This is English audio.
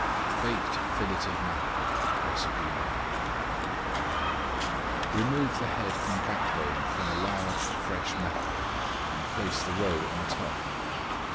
BAKED FILLET OF MACKEREL Remove the head and backbone from a large fresh mackerel, and place the roe on top.